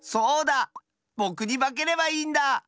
ぼくにばければいいんだ！